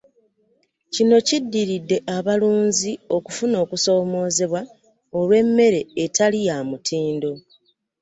Kino kiddiridde abalunzi okufuna okusoomoozebwa olw'emmere etali ya mutindo.